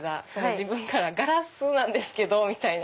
自分からガラスなんですけどみたいな。